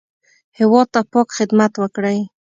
هېواد ته پاک خدمت وکړئ